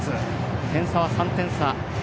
点差は３点差。